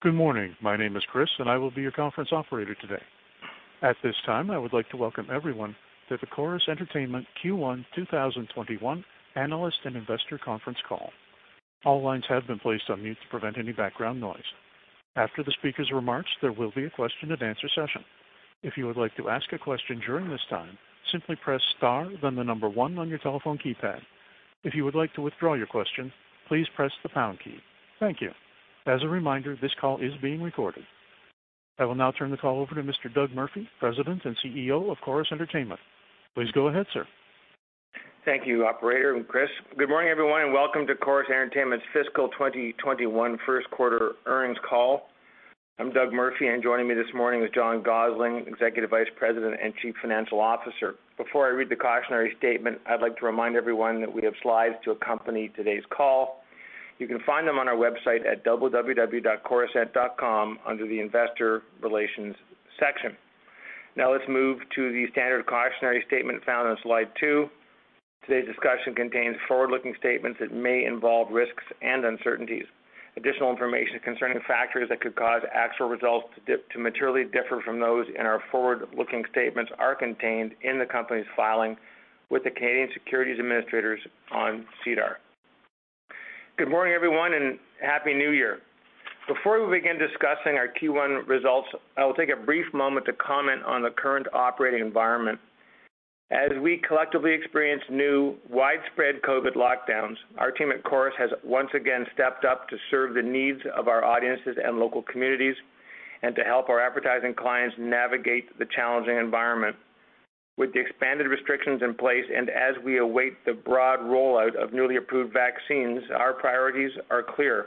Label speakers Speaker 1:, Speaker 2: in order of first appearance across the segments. Speaker 1: Good morning. My name is Chris. I will be your conference operator today. At this time, I would like to welcome everyone to the Corus Entertainment Q1 2021 analyst and investor conference call. All lines have been placed on mute to prevent any background noise. After the speakers' remarks, there will be a question-and-answer session. If you would like to ask a question during this time, simply press star then the number one on your telephone keypad. If you would like to withdraw your question, please press the pound key. Thank you. As a reminder, this call is being recorded. I will now turn the call over to Mr. Doug Murphy, President and CEO of Corus Entertainment. Please go ahead, sir.
Speaker 2: Thank you, operator and Chris. Good morning, everyone, and welcome to Corus Entertainment's fiscal 2021 first quarter earnings call. I'm Doug Murphy, and joining me this morning is John Gossling, Executive Vice President and Chief Financial Officer. Before I read the cautionary statement, I'd like to remind everyone that we have slides to accompany today's call. You can find them on our website at www.corusent.com under the investor relations section. Let's move to the standard cautionary statement found on slide two. Today's discussion contains forward-looking statements that may involve risks and uncertainties. Additional information concerning factors that could cause actual results to materially differ from those in our forward-looking statements are contained in the company's filing with the Canadian securities administrators on SEDAR. Good morning, everyone, and Happy New Year. Before we begin discussing our Q1 results, I will take a brief moment to comment on the current operating environment. As we collectively experience new widespread COVID lockdowns, our team at Corus has once again stepped up to serve the needs of our audiences and local communities and to help our advertising clients navigate the challenging environment. With the expanded restrictions in place and as we await the broad rollout of newly approved vaccines, our priorities are clear.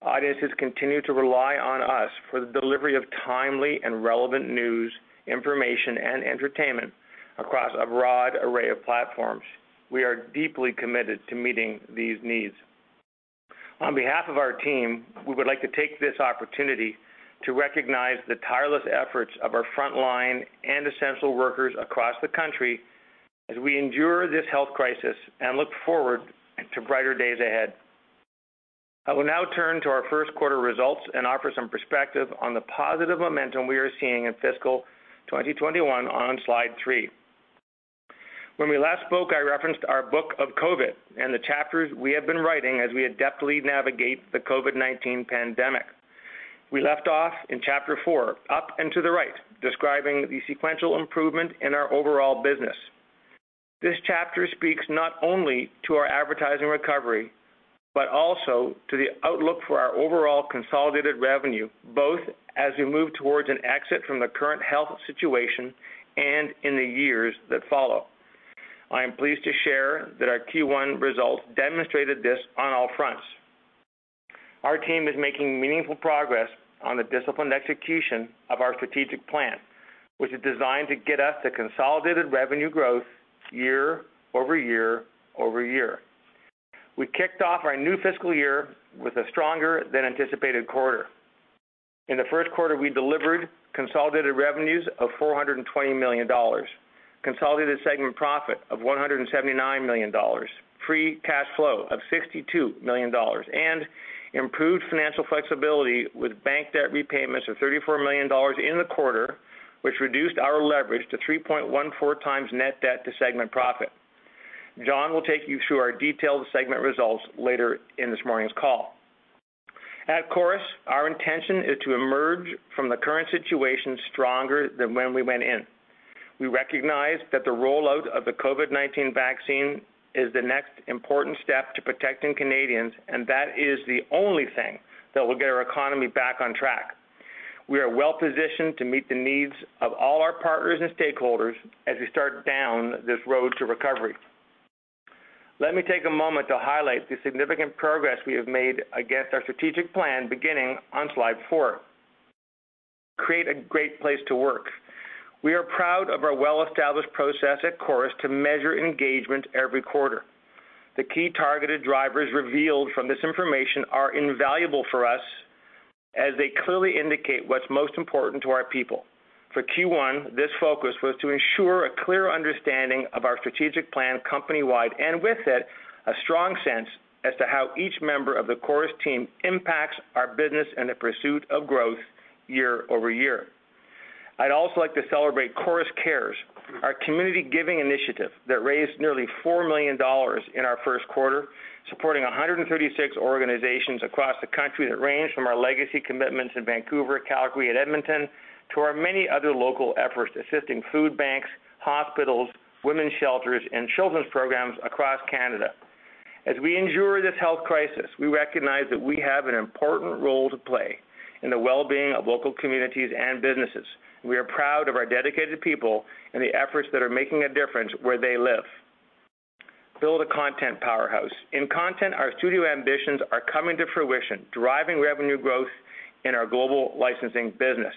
Speaker 2: Audiences continue to rely on us for the delivery of timely and relevant news, information, and entertainment across a broad array of platforms. We are deeply committed to meeting these needs. On behalf of our team, we would like to take this opportunity to recognize the tireless efforts of our frontline and essential workers across the country as we endure this health crisis and look forward to brighter days ahead. I will now turn to our first quarter results and offer some perspective on the positive momentum we are seeing in fiscal 2021 on slide three. When we last spoke, I referenced our book of COVID and the chapters we have been writing as we adeptly navigate the COVID-19 pandemic. We left off in chapter four, Up and to the Right, describing the sequential improvement in our overall business. This chapter speaks not only to our advertising recovery, but also to the outlook for our overall consolidated revenue, both as we move towards an exit from the current health situation and in the years that follow. I am pleased to share that our Q1 results demonstrated this on all fronts. Our team is making meaningful progress on the disciplined execution of our strategic plan, which is designed to get us to consolidated revenue growth year over year over year. We kicked off our new fiscal year with a stronger than anticipated quarter. In the first quarter, we delivered consolidated revenues of 420 million dollars, consolidated segment profit of 179 million dollars, free cash flow of 62 million dollars, and improved financial flexibility with bank debt repayments of 34 million dollars in the quarter, which reduced our leverage to 3.14x net debt to segment profit. John will take you through our detailed segment results later in this morning's call. At Corus, our intention is to emerge from the current situation stronger than when we went in. We recognize that the rollout of the COVID-19 vaccine is the next important step to protecting Canadians, and that is the only thing that will get our economy back on track. We are well-positioned to meet the needs of all our partners and stakeholders as we start down this road to recovery. Let me take a moment to highlight the significant progress we have made against our strategic plan beginning on slide four. Create a great place to work. We are proud of our well-established process at Corus to measure engagement every quarter. The key targeted drivers revealed from this information are invaluable for us as they clearly indicate what's most important to our people. For Q1, this focus was to ensure a clear understanding of our strategic plan company-wide, and with it, a strong sense as to how each member of the Corus team impacts our business and the pursuit of growth year-over-year. I'd also like to celebrate Corus Cares, our community giving initiative that raised nearly 4 million dollars in our first quarter, supporting 136 organizations across the country that range from our legacy commitments in Vancouver, Calgary, and Edmonton to our many other local efforts assisting food banks, hospitals, women's shelters, and children's programs across Canada. As we endure this health crisis, we recognize that we have an important role to play in the well-being of local communities and businesses. We are proud of our dedicated people and the efforts that are making a difference where they live. Build a content powerhouse. In content, our studio ambitions are coming to fruition, driving revenue growth in our global licensing business.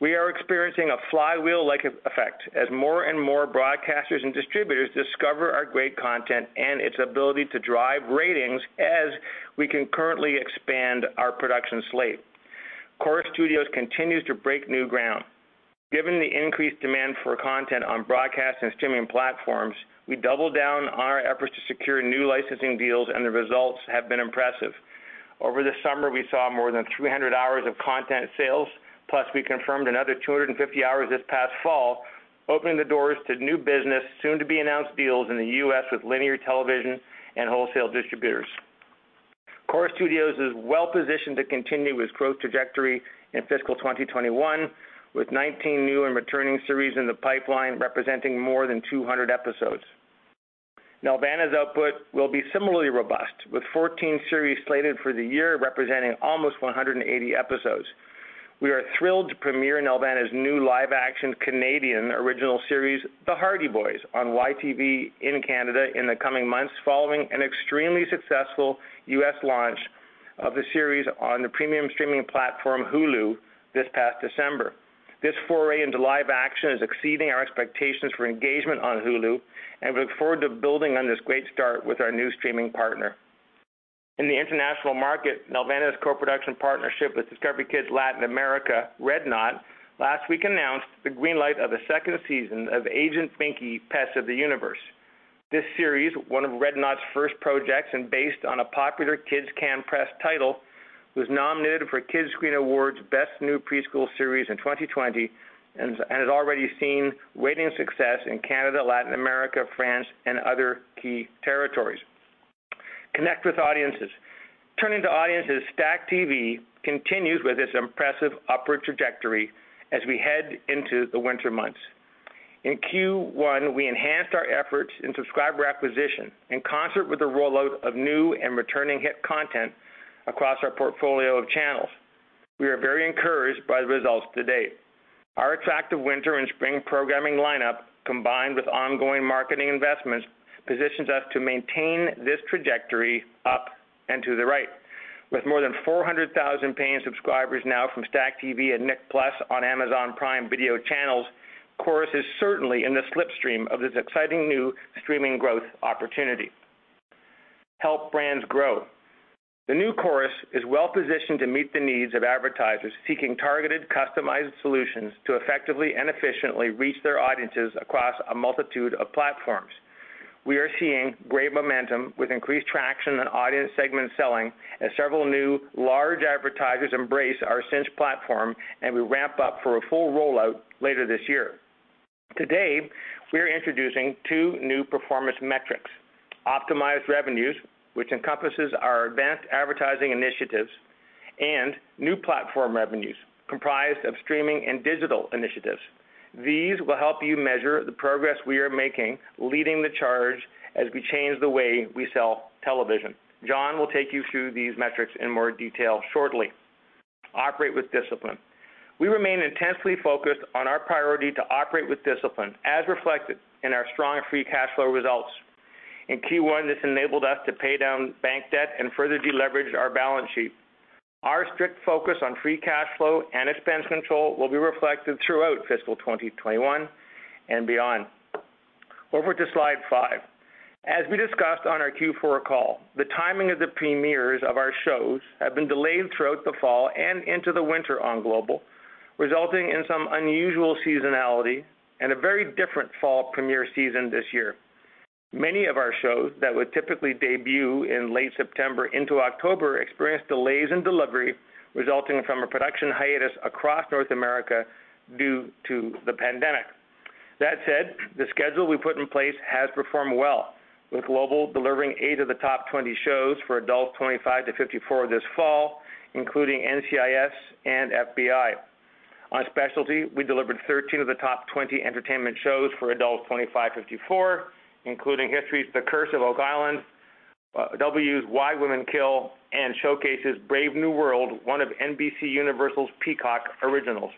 Speaker 2: We are experiencing a flywheel-like effect as more and more broadcasters and distributors discover our great content and its ability to drive ratings as we concurrently expand our production slate. Corus Studios continues to break new ground. Given the increased demand for content on broadcast and streaming platforms, we doubled down on our efforts to secure new licensing deals, and the results have been impressive. Over the summer, we saw more than 300 hours of content sales, plus we confirmed another 250 hours this past fall, opening the doors to new business, soon to be announced deals in the U.S. with linear television and wholesale distributors. Corus Studios is well-positioned to continue its growth trajectory in fiscal 2021, with 19 new and returning series in the pipeline representing more than 200 episodes. Nelvana's output will be similarly robust, with 14 series slated for the year representing almost 180 episodes. We are thrilled to premiere Nelvana's new live-action Canadian original series, The Hardy Boys, on YTV in Canada in the coming months, following an extremely successful U.S. launch of the series on the premium streaming platform Hulu this past December. This foray into live action is exceeding our expectations for engagement on Hulu, and we look forward to building on this great start with our new streaming partner. In the international market, Nelvana's co-production partnership with Discovery Kids Latin America, redknot, last week announced the green light of the second season of Agent Binky: Pets of the Universe. This series, one of redknot's first projects and based on a popular Kids Can Press title, was nominated for Kidscreen Awards Best New Preschool Series in 2020 and has already seen ratings success in Canada, Latin America, France, and other key territories. Connect with audiences. Turning to audiences, STACKTV continues with its impressive upward trajectory as we head into the winter months. In Q1, we enhanced our efforts in subscriber acquisition in concert with the rollout of new and returning hit content across our portfolio of channels. We are very encouraged by the results to date. Our attractive winter and spring programming lineup, combined with ongoing marketing investments, positions us to maintain this trajectory up and to the right. With more than 400,000 paying subscribers now from STACKTV and Nick+ on Amazon Prime Video channels, Corus is certainly in the slipstream of this exciting new streaming growth opportunity. Help brands grow. The new Corus is well-positioned to meet the needs of advertisers seeking targeted, customized solutions to effectively and efficiently reach their audiences across a multitude of platforms. We are seeing great momentum with increased traction on audience segment selling as several new large advertisers embrace our Cynch platform, and we ramp up for a full rollout later this year. Today, we're introducing two new performance metrics: optimized revenues, which encompasses our advanced advertising initiatives, and new platform revenues comprised of streaming and digital initiatives. These will help you measure the progress we are making leading the charge as we change the way we sell television. John will take you through these metrics in more detail shortly. Operate with discipline. We remain intensely focused on our priority to operate with discipline, as reflected in our strong free cash flow results. In Q1, this enabled us to pay down bank debt and further deleverage our balance sheet. Our strict focus on free cash flow and expense control will be reflected throughout fiscal 2021 and beyond. Over to slide five. As we discussed on our Q4 call, the timing of the premieres of our shows have been delayed throughout the fall and into the winter on Global, resulting in some unusual seasonality and a very different fall premiere season this year. Many of our shows that would typically debut in late September into October experienced delays in delivery resulting from a production hiatus across North America due to the pandemic. That said, the schedule we put in place has performed well, with Global delivering eight of the top 20 shows for adults 25-54 this fall, including NCIS and FBI. On specialty, we delivered 13 of the top 20 entertainment shows for adults 25-54, including History's The Curse of Oak Island, W's Why Women Kill, and Showcase's Brave New World, one of NBCUniversal's Peacock originals.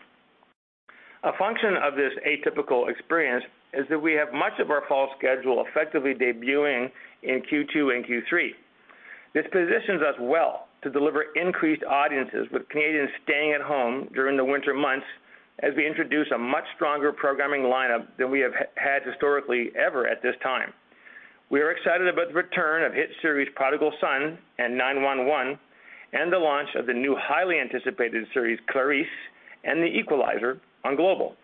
Speaker 2: A function of this atypical experience is that we have much of our fall schedule effectively debuting in Q2 and Q3. This positions us well to deliver increased audiences with Canadians staying at home during the winter months as we introduce a much stronger programming lineup than we have had historically ever at this time. We are excited about the return of hit series Prodigal Son and 9-1-1, and the launch of the new highly anticipated series Clarice and The Equalizer on Global.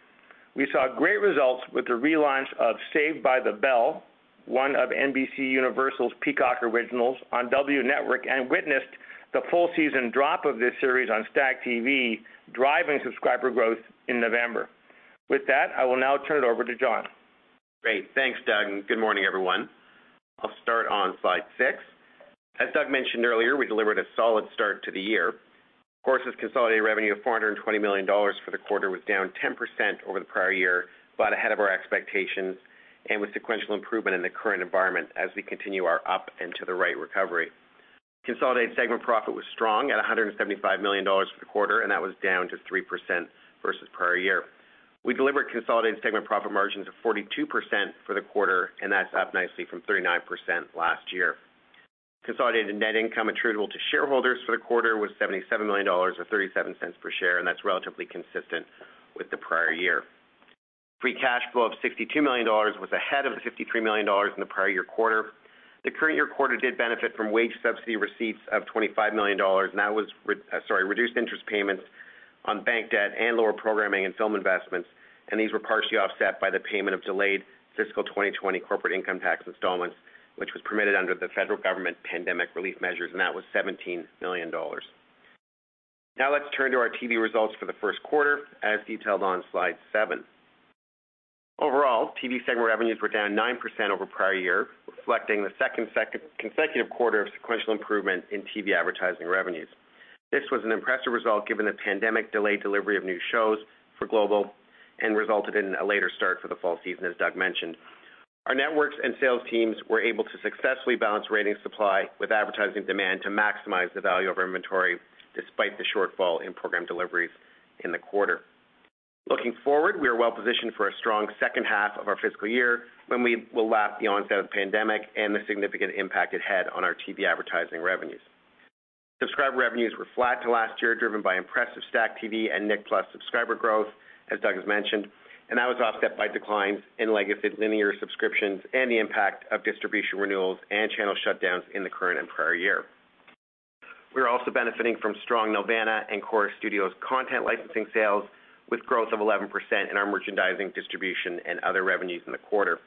Speaker 2: We saw great results with the relaunch of Saved by the Bell, one of NBCUniversal's Peacock originals, on W Network, and witnessed the full season drop of this series on STACKTV, driving subscriber growth in November. With that, I will now turn it over to John.
Speaker 3: Great. Thanks, Doug, and good morning, everyone. I'll start on slide six. As Doug mentioned earlier, we delivered a solid start to the year. Corus' consolidated revenue of 420 million dollars for the quarter was down 10% over the prior year, ahead of our expectations with sequential improvement in the current environment as we continue our up and to the right recovery. Consolidated segment profit was strong at 175 million dollars for the quarter. That was down to 3% versus prior year. We delivered consolidated segment profit margins of 42% for the quarter. That's up nicely from 39% last year. Consolidated net income attributable to shareholders for the quarter was 77 million dollars, or 0.37 per share, that's relatively consistent with the prior year. Free cash flow of 62 million dollars was ahead of the 53 million dollars in the prior year quarter. The current year quarter did benefit from wage subsidy receipts of 25 million dollars, and that was reduced interest payments on bank debt and lower programming and film investments, and these were partially offset by the payment of delayed fiscal 2020 corporate income tax installments, which was permitted under the federal government pandemic relief measures, and that was 17 million dollars. Let's turn to our TV results for the first quarter, as detailed on slide seven. Overall, TV segment revenues were down 9% over prior year, reflecting the second consecutive quarter of sequential improvement in TV advertising revenues. This was an impressive result given the pandemic delayed delivery of new shows for Global and resulted in a later start for the fall season, as Doug mentioned. Our networks and sales teams were able to successfully balance rating supply with advertising demand to maximize the value of our inventory despite the shortfall in program deliveries in the quarter. Looking forward, we are well-positioned for a strong second half of our fiscal year when we will lap the onset of the pandemic and the significant impact it had on our TV advertising revenues. Subscriber revenues were flat to last year, driven by impressive STACKTV and Nick+ subscriber growth, as Doug has mentioned, and that was offset by declines in legacy linear subscriptions and the impact of distribution renewals and channel shutdowns in the current and prior year. We are also benefiting from strong Nelvana and Corus Studios content licensing sales, with growth of 11% in our merchandising distribution and other revenues in the quarter.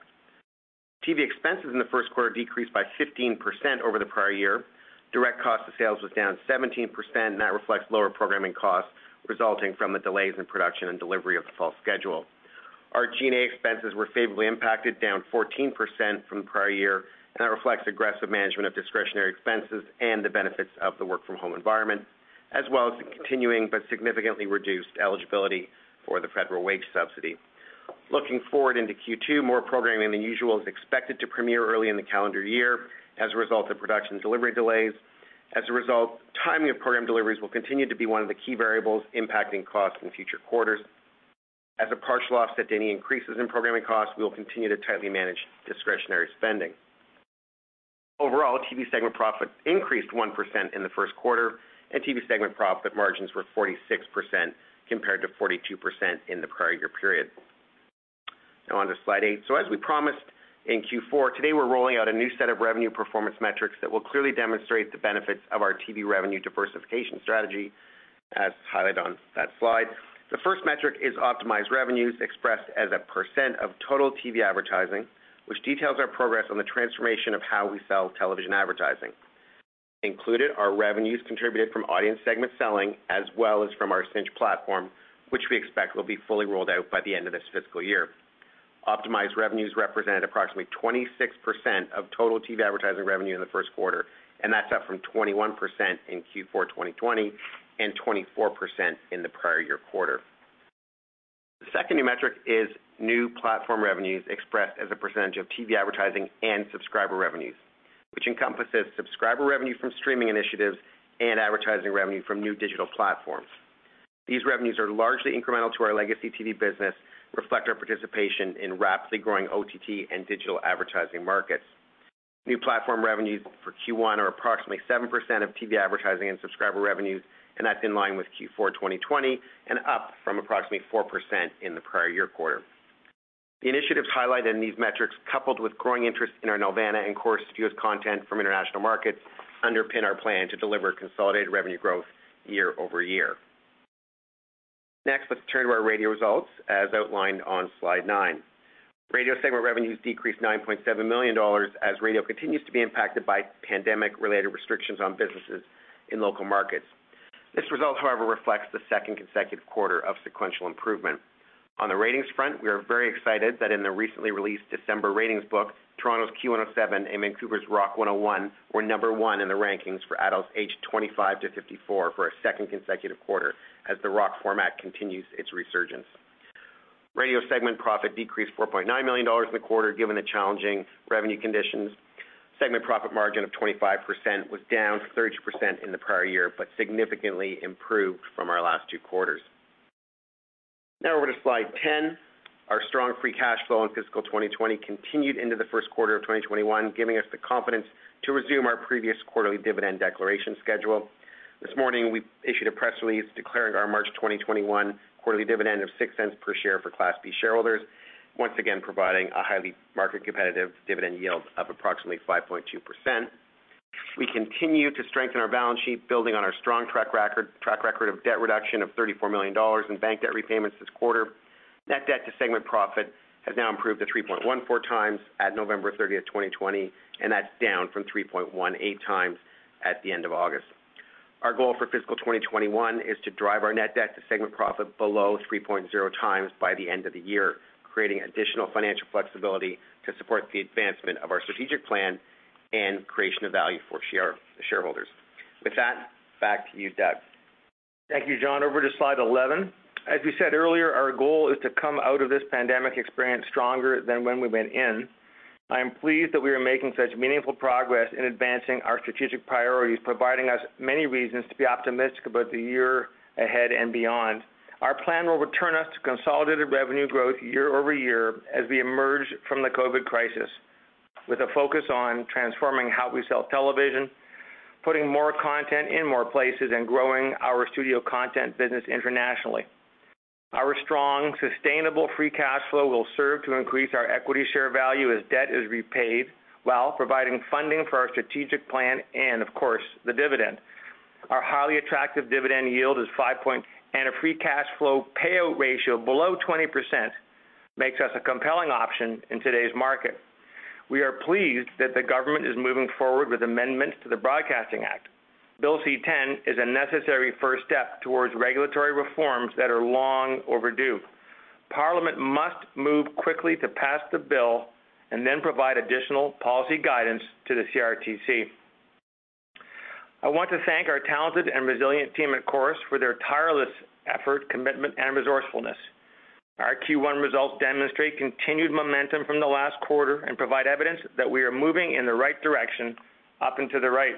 Speaker 3: TV expenses in the first quarter decreased by 15% over the prior year. Direct cost of sales was down 17%, and that reflects lower programming costs resulting from the delays in production and delivery of the fall schedule. Our G&A expenses were favorably impacted, down 14% from the prior year, and that reflects aggressive management of discretionary expenses and the benefits of the work from home environment, as well as the continuing but significantly reduced eligibility for the federal wage subsidy. Looking forward into Q2, more programming than usual is expected to premiere early in the calendar year as a result of production delivery delays. As a result, timing of program deliveries will continue to be one of the key variables impacting costs in future quarters. As a partial offset to any increases in programming costs, we will continue to tightly manage discretionary spending. Overall, TV segment profit increased 1% in the first quarter, and TV segment profit margins were 46%, compared to 42% in the prior year period. Now on to slide eight. As we promised in Q4, today we're rolling out a new set of revenue performance metrics that will clearly demonstrate the benefits of our TV revenue diversification strategy, as highlighted on that slide. The first metric is optimized revenues expressed as a percent of total TV advertising, which details our progress on the transformation of how we sell television advertising. Included are revenues contributed from audience segment selling, as well as from our Cynch platform, which we expect will be fully rolled out by the end of this fiscal year. Optimized revenues represented approximately 26% of total TV advertising revenue in the first quarter, that's up from 21% in Q4 2020 and 24% in the prior year quarter. The second new metric is new platform revenues expressed as a percentage of TV advertising and subscriber revenues, which encompasses subscriber revenue from streaming initiatives and advertising revenue from new digital platforms. These revenues are largely incremental to our legacy TV business, reflect our participation in rapidly growing OTT and digital advertising markets. New platform revenues for Q1 are approximately 7% of TV advertising and subscriber revenues, that's in line with Q4 2020 and up from approximately 4% in the prior year quarter. The initiatives highlighted in these metrics, coupled with growing interest in our Nelvana and Corus Studios content from international markets, underpin our plan to deliver consolidated revenue growth year-over-year. Next, let's turn to our radio results as outlined on slide nine. Radio segment revenues decreased 9.7 million dollars as radio continues to be impacted by pandemic-related restrictions on businesses in local markets. This result, however, reflects the second consecutive quarter of sequential improvement. On the ratings front, we are very excited that in the recently released December ratings book, Toronto's Q107 and Vancouver's Rock 101 were number one in the rankings for adults aged 25 to 54 for a second consecutive quarter as the Rock format continues its resurgence. Radio segment profit decreased 4.9 million dollars in the quarter given the challenging revenue conditions. Segment profit margin of 25% was down 30% in the prior year, but significantly improved from our last two quarters. Now over to slide 10. Our strong free cash flow in fiscal 2020 continued into the first quarter of 2021, giving us the confidence to resume our previous quarterly dividend declaration schedule. This morning, we issued a press release declaring our March 2021 quarterly dividend of 0.06 per share for Class B shareholders, once again providing a highly market competitive dividend yield of approximately 5.2%. We continue to strengthen our balance sheet building on our strong track record of debt reduction of 34 million dollars in bank debt repayments this quarter. Net debt to segment profit has now improved to 3.14x at November 30th, 2020. That's down from 3.18x at the end of August. Our goal for fiscal 2021 is to drive our net debt to segment profit below 3.0x by the end of the year, creating additional financial flexibility to support the advancement of our strategic plan and creation of value for shareholders. With that, back to you, Doug.
Speaker 2: Thank you, John. Over to slide 11. As we said earlier, our goal is to come out of this pandemic experience stronger than when we went in. I am pleased that we are making such meaningful progress in advancing our strategic priorities, providing us many reasons to be optimistic about the year ahead and beyond. Our plan will return us to consolidated revenue growth year-over-year as we emerge from the COVID crisis with a focus on transforming how we sell television, putting more content in more places and growing our studio content business internationally. Our strong, sustainable free cash flow will serve to increase our equity share value as debt is repaid while providing funding for our strategic plan and of course, the dividend. Our highly attractive dividend yield is five point-- and a free cash flow payout ratio below 20% makes us a compelling option in today's market. We are pleased that the government is moving forward with amendments to the Broadcasting Act. Bill C-10 is a necessary first step towards regulatory reforms that are long overdue. Parliament must move quickly to pass the bill and then provide additional policy guidance to the CRTC. I want to thank our talented and resilient team at Corus for their tireless effort, commitment, and resourcefulness. Our Q1 results demonstrate continued momentum from the last quarter and provide evidence that we are moving in the right direction up into the right.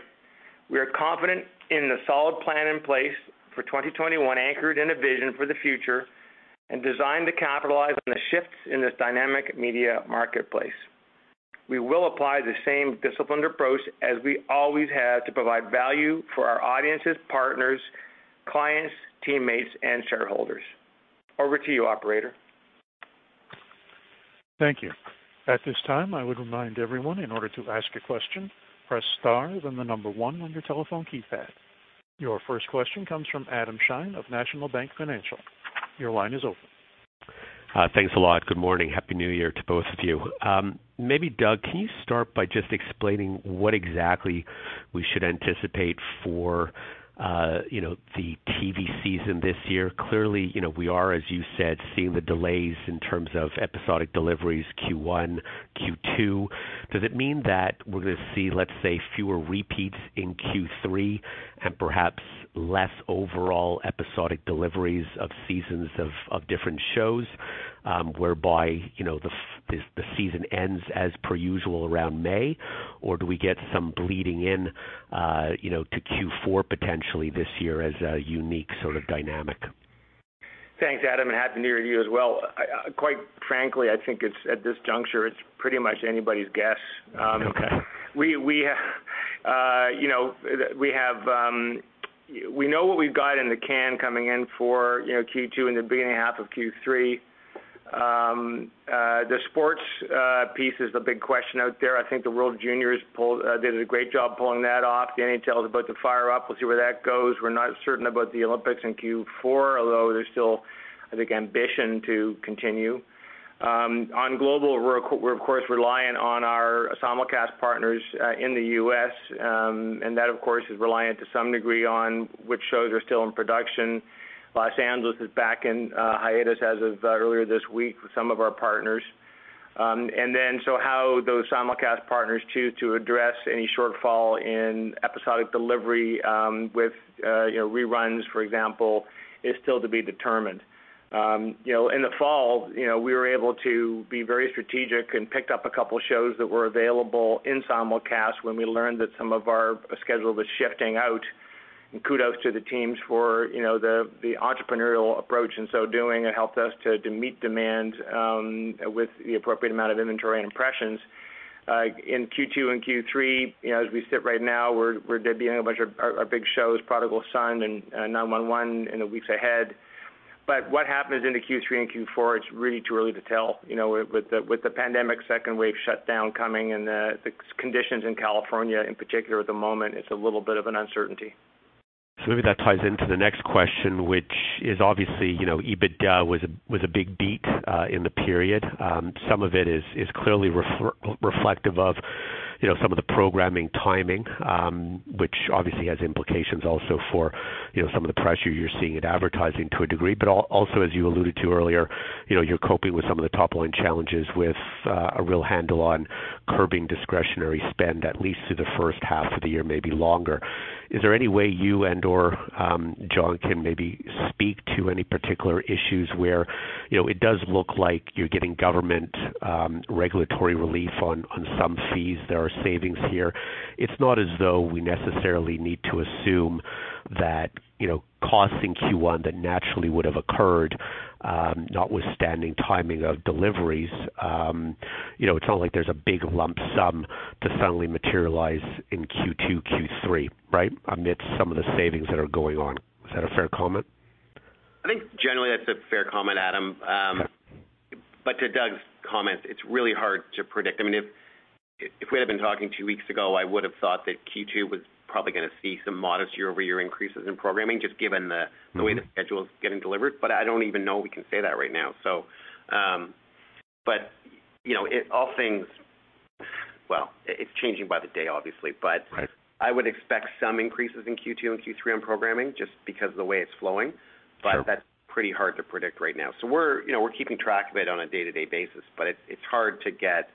Speaker 2: We are confident in the solid plan in place for 2021 anchored in a vision for the future and designed to capitalize on the shifts in this dynamic media marketplace. We will apply the same disciplined approach as we always have to provide value for our audiences, partners, clients, teammates, and shareholders. Over to you, operator.
Speaker 1: Thank you. At this time, I would remind everyone in order to ask a question, press star then the number one on your telephone keypad. Your first question comes from Adam Shine of National Bank Financial. Your line is open.
Speaker 4: Thanks a lot. Good morning. Happy New Year to both of you. Maybe Doug, can you start by just explaining what exactly we should anticipate for, you know, the TV season this year? Clearly, you know, we are, as you said, seeing the delays in terms of episodic deliveries Q1, Q2. Does it mean that we're going to see, let's say, fewer repeats in Q3 and perhaps less overall episodic deliveries of seasons of different shows, whereby, you know, the season ends as per usual around May, or do we get some bleeding in, you know, to Q4 potentially this year as a unique sort of dynamic?
Speaker 2: Thanks, Adam, Happy New Year to you as well. Quite frankly, I think at this juncture, it's pretty much anybody's guess.
Speaker 4: Okay.
Speaker 2: We, you know, we have, we know what we've got in the can coming in for, you know, Q2 and the beginning half of Q3. The sports piece is the big question out there. I think the World Juniors did a great job pulling that off. The NHL is about to fire up. We'll see where that goes. We're not certain about the Olympics in Q4, although there's still, I think, ambition to continue. On Global, we're of course reliant on our simulcast partners in the U.S., and that of course is reliant to some degree on which shows are still in production. Los Angeles is back in hiatus as of earlier this week with some of our partners. How those simulcast partners choose to address any shortfall in episodic delivery, with, you know, reruns, for example, is still to be determined. You know, in the fall, you know, we were able to be very strategic and picked up a couple shows that were available in simulcast when we learned that some of our schedule was shifting out. Kudos to the teams for, you know, the entrepreneurial approach in so doing. It helped us to meet demand with the appropriate amount of inventory and impressions. In Q2 and Q3, you know, as we sit right now, we're debuting a bunch of our big shows, Prodigal Son and 9-1-1 in the weeks ahead. What happens into Q3 and Q4, it's really too early to tell. You know, with the pandemic second wave shutdown coming and the conditions in California in particular at the moment, it's a little bit of an uncertainty.
Speaker 4: Maybe that ties into the next question, which is obviously, you know, EBITDA was a big beat in the period. Some of it is clearly reflective of, you know, some of the programming timing, which obviously has implications also for, you know, some of the pressure you're seeing in advertising to a degree. Also as you alluded to earlier, you know, you're coping with some of the top-line challenges with a real handle on curbing discretionary spend, at least through the first half of the year, maybe longer. Is there any way you and/or John can maybe speak to any particular issues where, you know, it does look like you're getting government regulatory relief on some fees? There are savings here. It's not as though we necessarily need to assume that, you know, costs in Q1 that naturally would have occurred, notwithstanding timing of deliveries, you know, it's not like there's a big lump sum to suddenly materialize in Q2, Q3, right? Amidst some of the savings that are going on. Is that a fair comment?
Speaker 3: I think generally that's a fair comment, Adam. To Doug's comments, it's really hard to predict. I mean, if we had been talking two weeks ago, I would have thought that Q2 was probably going to see some modest year-over-year increases in programming. The way the schedule is getting delivered, but I don't even know we can say that right now. you know, well, it's changing by the day, obviously.
Speaker 4: Right.
Speaker 3: I would expect some increases in Q2 and Q3 on programming just because of the way it's flowing.
Speaker 4: Sure.
Speaker 3: That's pretty hard to predict right now. We're, you know, we're keeping track of it on a day-to-day basis, but it's hard to get,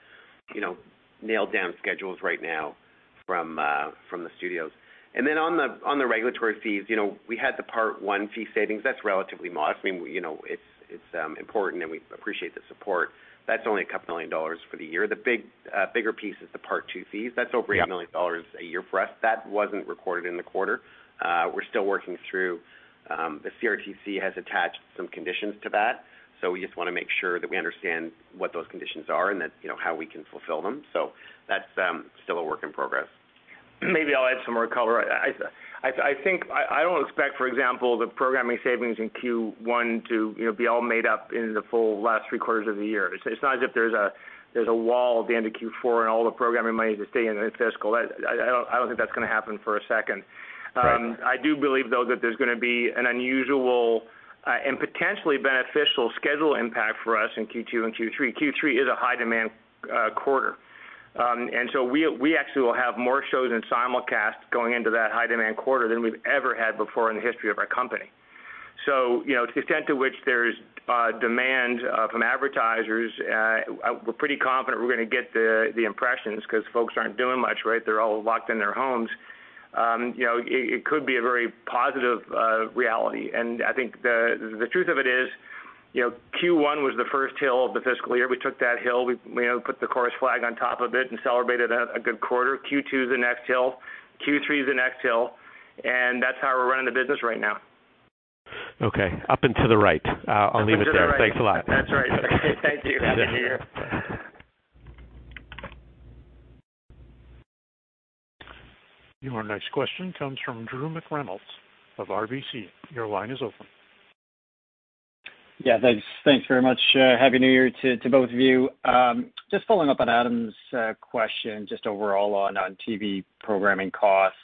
Speaker 3: you know, nailed down schedules right now from the studios. On the, on the regulatory fees, you know, we had the Part I fee savings. That's relatively modest. I mean, you know, it's important, and we appreciate the support. That's only a couple million dollars for the year. The big, bigger piece is the Part II fees. That's over.
Speaker 4: Yeah.
Speaker 3: 8 million dollars a year for us. That wasn't recorded in the quarter. We're still working through, the CRTC has attached some conditions to that, we just want to make sure that we understand what those conditions are and that, you know, how we can fulfill them.
Speaker 2: Maybe I'll add some more color. I don't expect, for example, the programming savings in Q1 to, you know, be all made up in the full last three quarters of the year. It's not as if there's a wall at the end of Q4 and all the programming money just stay in the fiscal. I don't think that's going to happen for a second.
Speaker 3: Right.
Speaker 2: I do believe though that there's gonna be an unusual and potentially beneficial schedule impact for us in Q2 and Q3. Q3 is a high demand quarter. We actually will have more shows in simulcast going into that high demand quarter than we've ever had before in the history of our company. You know, to the extent to which there's demand from advertisers, we're pretty confident we're gonna get the impressions 'cause folks aren't doing much, right? They're all locked in their homes. You know, it could be a very positive reality. I think the truth of it is, you know, Q1 was the first hill of the fiscal year. We took that hill. We, you know, put the Corus flag on top of it and celebrated a good quarter. Q2 is the next hill. Q3 is the next hill. That's how we're running the business right now.
Speaker 4: Okay. Up and to the right. I'll leave it there.
Speaker 2: Up and to the right.
Speaker 4: Thanks a lot.
Speaker 2: That's right. Thank you. Happy New Year.
Speaker 1: Your next question comes from Drew McReynolds of RBC. Your line is open.
Speaker 5: Thanks. Thanks very much. Happy New Year to both of you. Just following up on Adam's question, just overall on TV programming costs,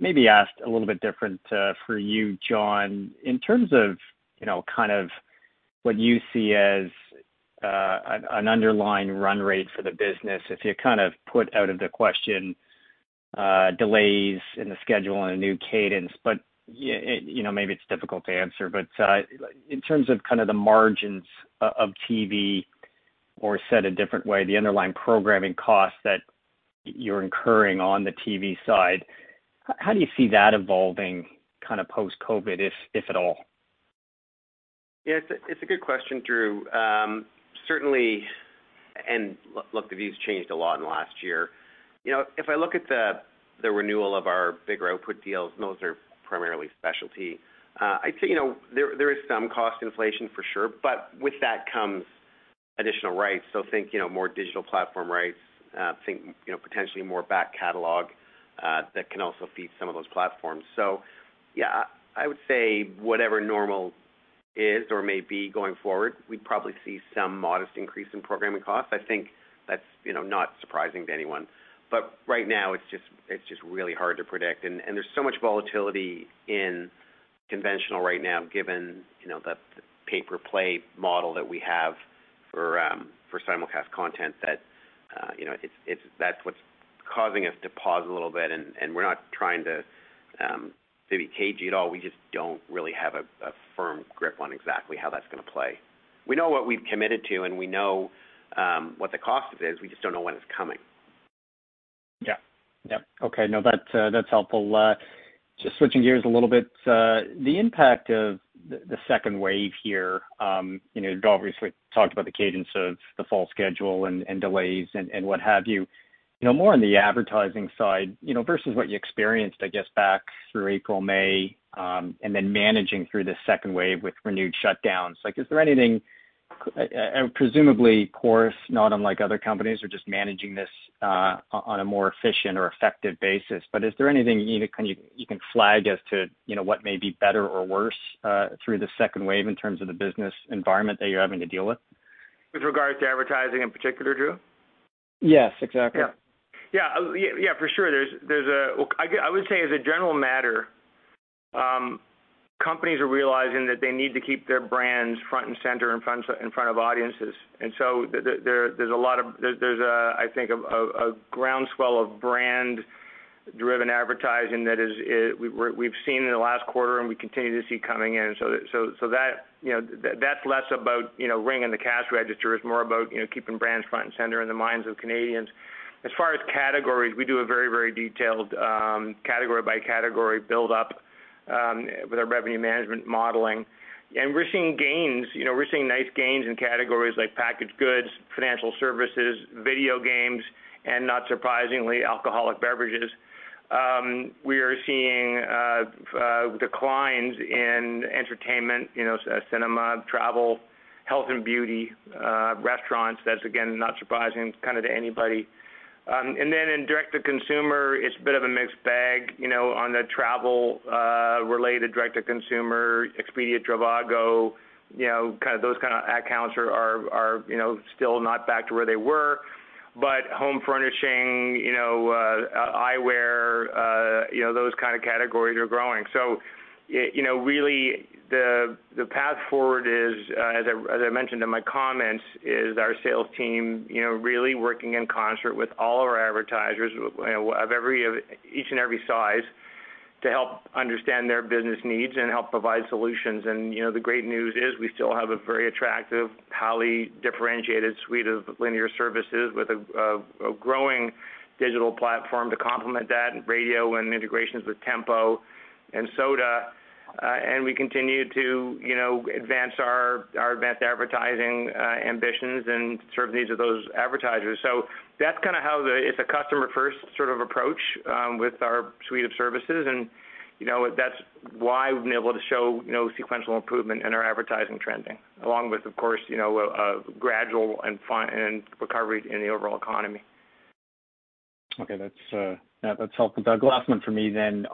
Speaker 5: maybe asked a little bit different for you, John. In terms of, you know, kind of what you see as an underlying run rate for the business, if you kind of put out of the question, delays in the schedule and a new cadence, but you know, maybe it's difficult to answer. In terms of kinda the margins of TV, or said a different way, the underlying programming costs that you're incurring on the TV side, how do you see that evolving kinda post-COVID, if at all?
Speaker 3: Yeah. It's a good question, Drew. Look, the view's changed a lot in the last year. You know, if I look at the renewal of our bigger output deals, and those are primarily specialty, I'd say, you know, there is some cost inflation for sure, but with that comes additional rights. Think, you know, more digital platform rights. Think, you know, potentially more back catalog that can also feed some of those platforms. Yeah, I would say whatever normal is or may be going forward, we'd probably see some modest increase in programming costs. I think that's, you know, not surprising to anyone. Right now, it's just really hard to predict. There's so much volatility in conventional right now, given, you know, the pay-per-play model that we have for simulcast content that, you know, that's what's causing us to pause a little bit and we're not trying to be cagey at all. We just don't really have a firm grip on exactly how that's gonna play. We know what we've committed to, and we know what the cost of it is. We just don't know when it's coming.
Speaker 5: Yeah. Yep. Okay. No, that's helpful. Just switching gears a little bit, the impact of the second wave here, you know, you've obviously talked about the cadence of the fall schedule and delays and what have you. You know, more on the advertising side, you know, versus what you experienced, I guess, back through April, May, and then managing through the second wave with renewed shutdowns. Like, is there anything, presumably Corus, not unlike other companies, are just managing this on a more efficient or effective basis. Is there anything you can flag as to, you know, what may be better or worse through the second wave in terms of the business environment that you're having to deal with?
Speaker 2: With regards to advertising in particular, Drew?
Speaker 5: Yes, exactly.
Speaker 2: Yeah, for sure. I would say as a general matter, companies are realizing that they need to keep their brands front and center in front of audiences. There's a groundswell of brand-driven advertising that we've seen in the last quarter, and we continue to see coming in. That, you know, that's less about, you know, ringing the cash register. It's more about, you know, keeping brands front and center in the minds of Canadians. As far as categories, we do a very detailed category by category build up with our revenue management modeling. We're seeing gains. You know, we're seeing nice gains in categories like packaged goods, financial services, video games, and not surprisingly, alcoholic beverages. We are seeing declines in entertainment, you know, cinema, travel, health and beauty, restaurants. That's again, not surprising kinda to anybody. In direct to consumer, it's a bit of a mixed bag, you know, on the travel related direct to consumer, Expedia, trivago, you know, those kinda accounts are, you know, still not back to where they were. Home furnishing, you know, eyewear, you know, those kinda categories are growing. You know, really the path forward is, as I mentioned in my comments, is our sales team, you know, really working in concert with all of our advertisers of every, each and every size to help understand their business needs and help provide solutions. You know, the great news is we still have a very attractive, highly differentiated suite of linear services with a growing digital platform to complement that and radio and integrations with Tempo and so.da. We continue to, you know, advance our advanced advertising ambitions and serve the needs of those advertisers. That's kinda how it's a customer first sort of approach with our suite of services. You know, that's why we've been able to show, you know, sequential improvement in our advertising trending, along with, of course, you know, a gradual and recovery in the overall economy.
Speaker 5: Okay. That's, yeah, that's helpful, Doug. Last one for me then,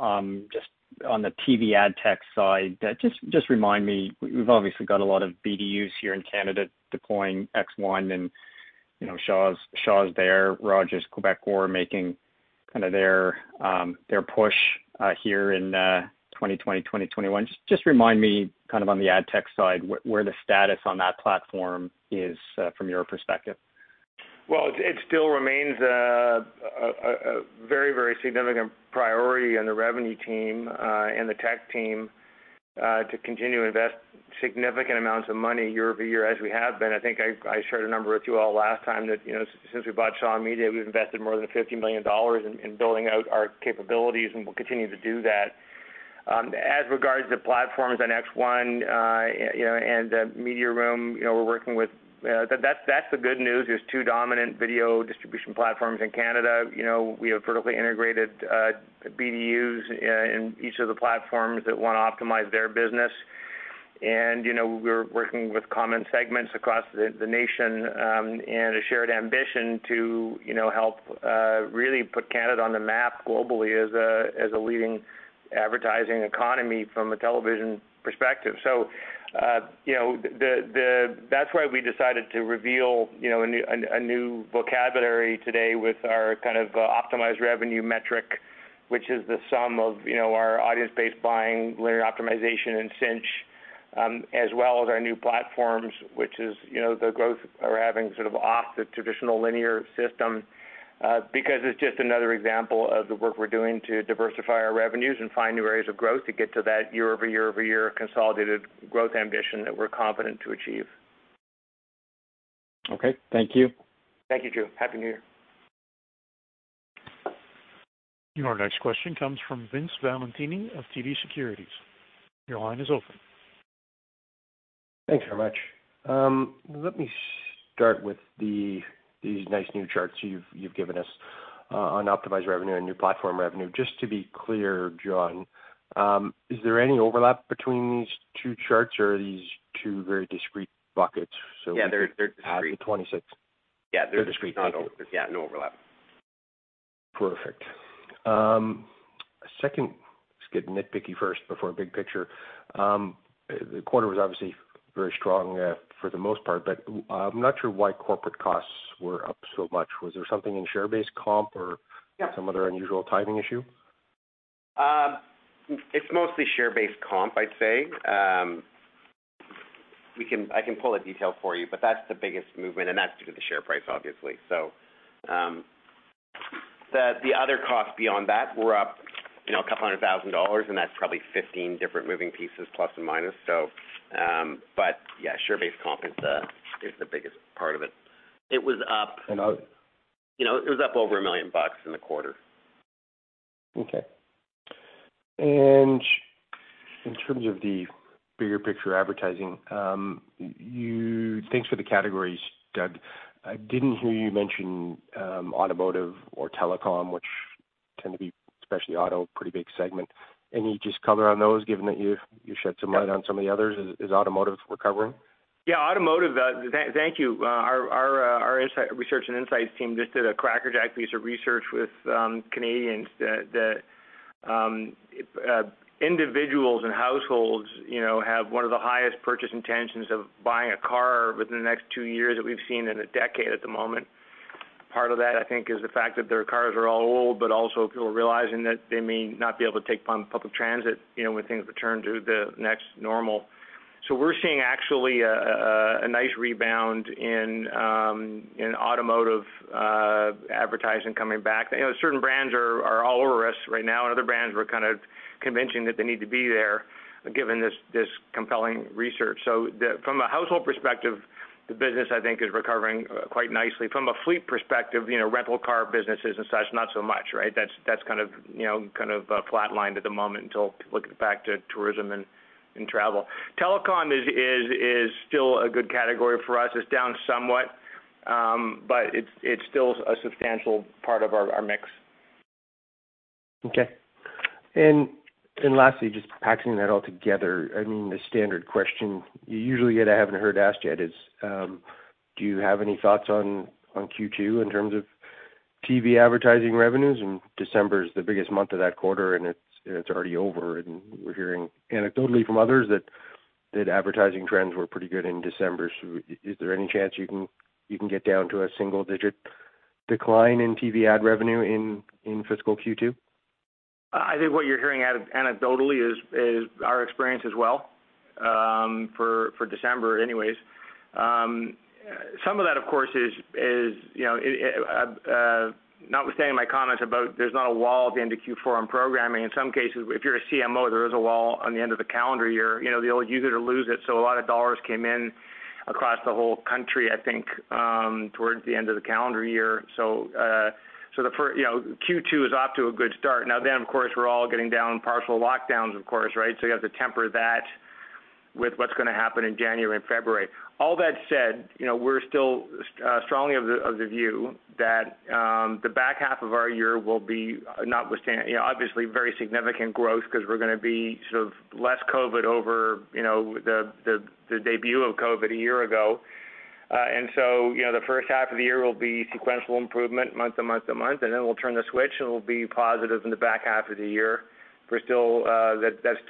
Speaker 5: just on the TV ad tech side. Just, just remind me, we've obviously got a lot of BDUs here in Canada deploying X1 and, you know, Shaw's there, Rogers, Quebecor making kind of their push here in 2020, 2021. Just, just remind me kind of on the ad tech side where the status on that platform is from your perspective.
Speaker 2: Well, it still remains a very, very significant priority on the revenue team and the tech team to continue to invest significant amounts of money year over year as we have been. I think I shared a number with you all last time that, you know, since we bought Shaw Media, we've invested more than 50 million dollars in building out our capabilities, and we'll continue to do that. As regards to platforms on X1, you know, and Mediaroom, you know, we're working with That's the good news. There's two dominant video distribution platforms in Canada. You know, we have vertically integrated BDUs in each of the platforms that wanna optimize their business. You know, we're working with common segments across the nation and a shared ambition to, you know, help really put Canada on the map globally as a leading advertising economy from a television perspective. You know, that's why we decided to reveal, you know, a new vocabulary today with our kind of optimized revenue metric, which is the sum of, you know, our audience-based buying, linear optimization in Cynch, as well as our new platforms, which is, you know, the growth we're having sort of off the traditional linear system. Because it's just another example of the work we're doing to diversify our revenues and find new areas of growth to get to that year-over-year-over-year consolidated growth ambition that we're confident to achieve.
Speaker 5: Okay. Thank you.
Speaker 2: Thank you, Drew. Happy New Year.
Speaker 1: Your next question comes from Vince Valentini of TD Securities. Your line is open.
Speaker 6: Thanks very much. Let me start with these nice new charts you've given us on optimized revenue and new platform revenue. Just to be clear, John, is there any overlap between these two charts or are these two very discrete buckets?
Speaker 3: Yeah, they're discrete.
Speaker 6: Add to 26.
Speaker 3: Yeah, they're discrete. They're discrete buckets. Yeah, no overlap.
Speaker 6: Perfect. Second, let's get nitpicky first before big picture. The quarter was obviously very strong for the most part, but I'm not sure why corporate costs were up so much. Was there something in share-based comp or?
Speaker 3: Yeah.
Speaker 6: Some other unusual timing issue?
Speaker 3: It's mostly share-based comp, I'd say. I can pull a detail for you, but that's the biggest movement, and that's due to the share price, obviously. The other costs beyond that were up, you know, a couple hundred thousand CAD, and that's probably 15 different moving pieces plus and minus. Yeah, share-based comp is the biggest part of it.
Speaker 6: And, uh-
Speaker 3: You know, it was up over 1 million bucks in the quarter.
Speaker 6: Okay. In terms of the bigger picture advertising, Thanks for the categories, Doug. I didn't hear you mention automotive or telecom, which tend to be, especially auto, pretty big segment. Any just color on those given that you shed some light? On some of the others? Is automotive recovering?
Speaker 2: Automotive, thank you. Our research and insights team just did a crackerjack piece of research with Canadians that individuals and households, you know, have one of the highest purchase intentions of buying a car within the next two years that we've seen in a decade at the moment. Part of that, I think, is the fact that their cars are all old, also people are realizing that they may not be able to take public transit, you know, when things return to the next normal. We're seeing actually a nice rebound in automotive advertising coming back. You know, certain brands are all over us right now, other brands we're kind of convincing that they need to be there given this compelling research. From a household perspective, the business, I think, is recovering quite nicely. From a fleet perspective, you know, rental car businesses and such, not so much, right? That's kind of, you know, flatlined at the moment until people get back to tourism and travel. Telecom is still a good category for us. It's down somewhat, it's still a substantial part of our mix.
Speaker 6: Okay. Lastly, just packing that all together, I mean, the standard question you usually get, I haven't heard asked yet is, do you have any thoughts on Q2 in terms of TV advertising revenues? December is the biggest month of that quarter, and it's already over, and we're hearing anecdotally from others that advertising trends were pretty good in December. Is there any chance you can get down to a single-digit decline in TV ad revenue in fiscal Q2?
Speaker 2: I think what you're hearing anecdotally is our experience as well for December anyways. Some of that, of course, is, you know, notwithstanding my comments about there's not a wall at the end of Q4 on programming, in some cases, if you're a CMO, there is a wall on the end of the calendar year. You know, they'll use it or lose it. A lot of dollars came in across the whole country, I think, towards the end of the calendar year. You know, Q2 is off to a good start. Of course, we're all getting down partial lockdowns, of course, right? You have to temper that with what's gonna happen in January and February. All that said, you know, we're still strongly of the view that the back half of our year will be notwithstanding, you know, obviously very significant growth 'cause we're gonna be sort of less COVID over, you know, the debut of COVID a year ago. The first half of the year will be sequential improvement month to month to month, and then we'll turn the switch, and it'll be positive in the back half of the year. We're still.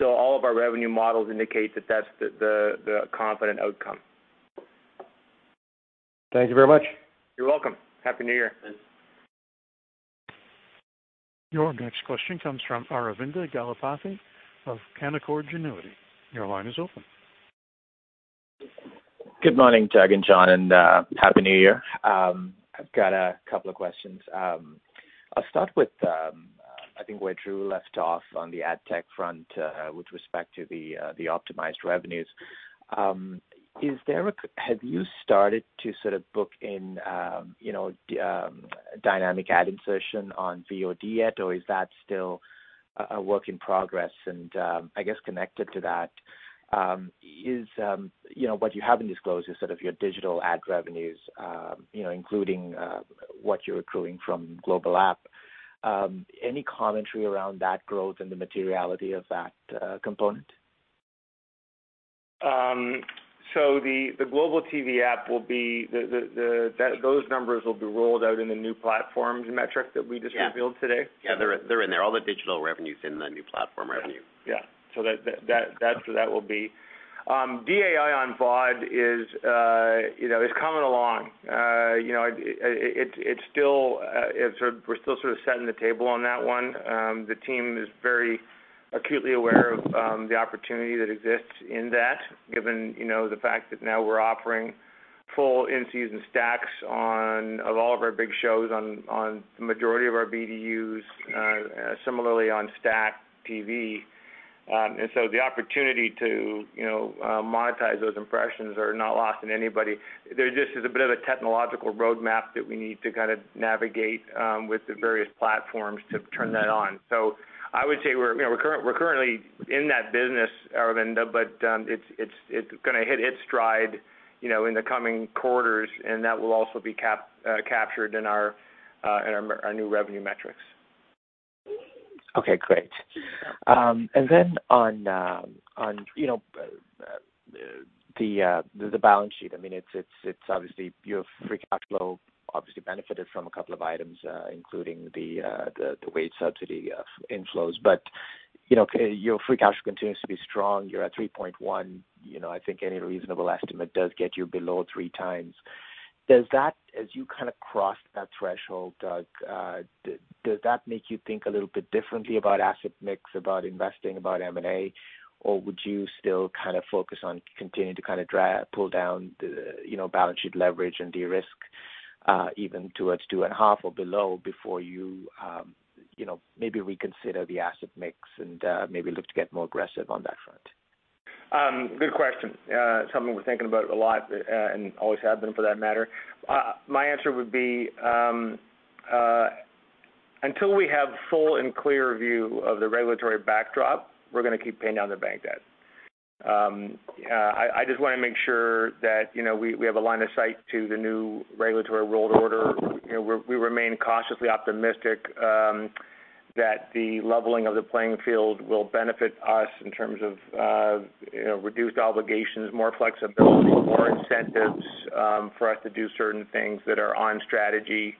Speaker 2: All of our revenue models indicate that that's the confident outcome.
Speaker 6: Thank you very much.
Speaker 2: You're welcome. Happy New Year.
Speaker 6: Thanks.
Speaker 1: Your next question comes from Aravinda Galappatthige of Canaccord Genuity. Your line is open.
Speaker 7: Good morning, Doug and John, and Happy New Year. I've got a couple of questions. I'll start with, I think where Drew left off on the ad tech front, with respect to the optimized revenues. Is there have you started to sort of book in, you know, dynamic ad insertion on VOD yet, or is that still a work in progress? I guess connected to that, is, you know, what you have in disclosure is sort of your digital ad revenues, you know, including what you're accruing from Global app. Any commentary around that growth and the materiality of that component?
Speaker 2: The Global TV app will be the those numbers will be rolled out in the new platforms metric that we just revealed today.
Speaker 3: Yeah. Yeah. They're in there. All the digital revenue's in the new platform revenue.
Speaker 2: Yeah. Yeah. That will be. DAI on VOD is coming along. It's still, we're still sort of setting the table on that one. The team is very acutely aware of the opportunity that exists in that, given the fact that now we're offering full in-season stacks of all of our big shows on the majority of our BDUs, similarly on STACKTV. The opportunity to monetize those impressions are not lost on anybody. There just is a bit of a technological roadmap that we need to kind of navigate with the various platforms to turn that on. I would say we're, you know, we're currently in that business, Aravinda, but it's gonna hit its stride, you know, in the coming quarters, and that will also be captured in our new revenue metrics.
Speaker 7: Okay, great. On, you know, the balance sheet, obviously your free cash flow obviously benefited from a couple of items, including the wage subsidy inflows. Your free cash continues to be strong. You're at 3.1x. I think any reasonable estimate does get you below 3x. As you kind of cross that threshold, Doug, does that make you think a little bit differently about asset mix, about investing, about M&A? Would you still kind of focus on continuing to kind of pull down the, you know, balance sheet leverage and de-risk, even towards 2.5x or below before you know, maybe reconsider the asset mix and maybe look to get more aggressive on that front?
Speaker 2: Good question. Something we're thinking about a lot, and always have been for that matter. My answer would be, until we have full and clear view of the regulatory backdrop, we're gonna keep paying down the bank debt. I just wanna make sure that, you know, we have a line of sight to the new regulatory world order. You know, we remain cautiously optimistic that the leveling of the playing field will benefit us in terms of, you know, reduced obligations, more flexibility, more incentives, for us to do certain things that are on strategy.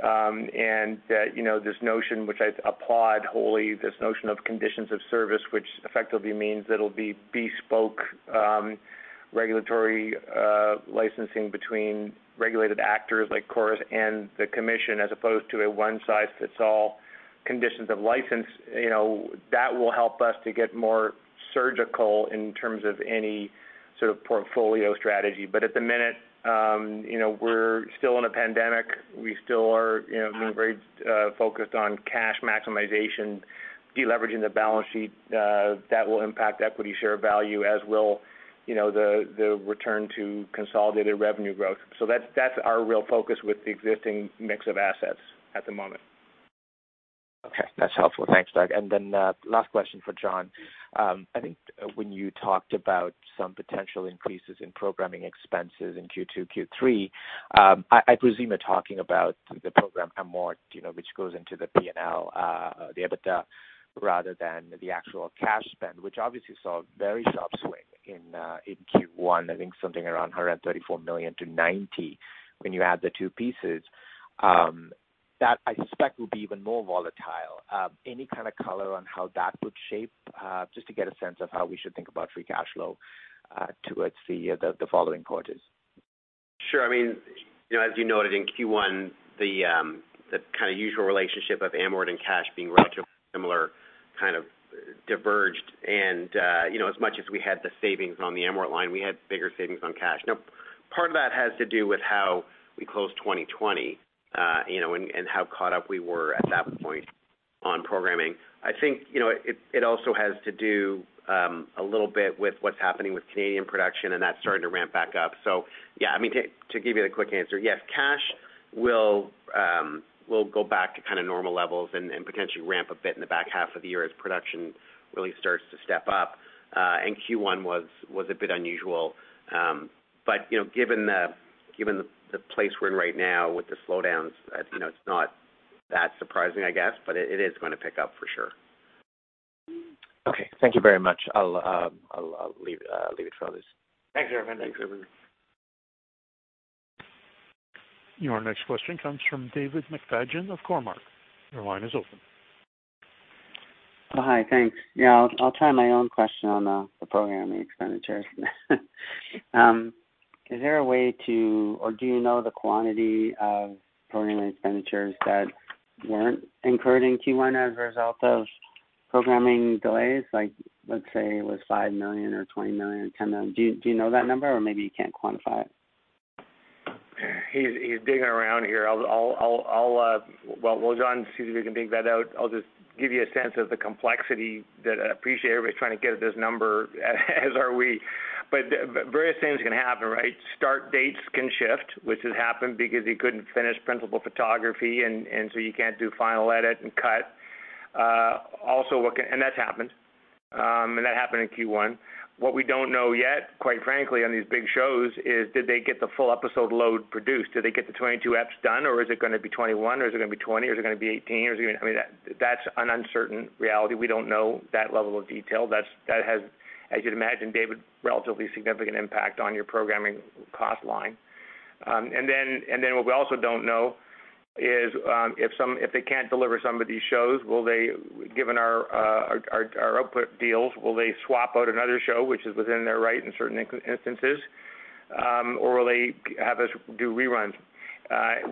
Speaker 2: You know, this notion which I applaud wholly, this notion of conditions of service, which effectively means it'll be bespoke, regulatory licensing between regulated actors like Corus and the commission as opposed to a one size fits all conditions of license. You know, that will help us to get more surgical in terms of any sort of portfolio strategy. You know, we're still in a pandemic. We still are, you know, being very focused on cash maximization, de-leveraging the balance sheet, that will impact equity share value, as will, you know, the return to consolidated revenue growth. That's our real focus with the existing mix of assets at the moment.
Speaker 7: Okay. That's helpful. Thanks, Doug. Then last question for John. I think when you talked about some potential increases in programming expenses in Q2, Q3, I presume you're talking about the program amort, you know, which goes into the P&L, the EBITDA rather than the actual cash spend, which obviously saw a very sharp swing in Q1, I think something around 134 million to 90 million when you add the two pieces. That I suspect will be even more volatile. Any kind of color on how that would shape, just to get a sense of how we should think about free cash flow towards the following quarters?
Speaker 3: Sure. I mean, you know, as you noted in Q1, the kind of usual relationship of amort and cash being relatively similar kind of diverged. As much as we had the savings on the amort line, we had bigger savings on cash. Part of that has to do with how we closed 2020, and how caught up we were at that point on programming. I think, you know, it also has to do a little bit with what's happening with Canadian production and that starting to ramp back up. Yeah, I mean, to give you the quick answer, yes, cash will go back to kind of normal levels and potentially ramp a bit in the back half of the year as production really starts to step up. Q1 was a bit unusual. You know, given the, given the place we're in right now with the slowdowns, you know, it's not that surprising, I guess, but it is gonna pick up for sure.
Speaker 7: Okay. Thank you very much. I'll leave it for others.
Speaker 2: Thanks, Arvind.
Speaker 1: Your next question comes from David McFadgen of Cormark. Your line is open.
Speaker 8: Oh, hi. Thanks. Yeah, I'll try my own question on the programming expenditures. Do you know the quantity of programming expenditures that weren't incurred in Q1 as a result of programming delays? Like, let's say it was 5 million or 20 million, 10 million. Do you know that number? Or maybe you can't quantify it.
Speaker 2: He's digging around here. I'll while John sees if he can dig that out, I'll just give you a sense of the complexity that I appreciate everybody's trying to get at this number, as are we. Various things can happen, right? Start dates can shift, which has happened because you couldn't finish principal photography and so you can't do final edit and cut. Also that's happened, and that happened in Q1. What we don't know yet, quite frankly, on these big shows is did they get the full episode load produced? Did they get the 22 episodes done or is it gonna be 21, or is it gonna be 20, or is it gonna be 18, I mean, that's an uncertain reality. We don't know that level of detail. That has, as you'd imagine, David, relatively significant impact on your programming cost line. Then what we also don't know is, if they can't deliver some of these shows, will they, given our output deals, will they swap out another show which is within their right in certain instances, or will they have us do reruns,